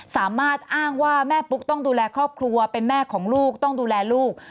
สามารถอ้างว่าแม่ปุ๊กต้องดูแลครอบครัวเป็นแม่ของลูกต้องดูแลลูก